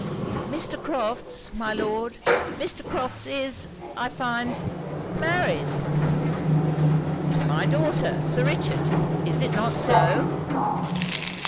'Mr. Crofts, my Lord; Mr. Crofts is, I find, married ' 'To my daughter, Sir Richard. Is it not so?'